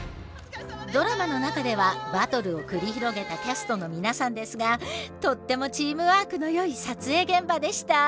ドラマの中ではバトルを繰り広げたキャストの皆さんですがとってもチームワークのよい撮影現場でした。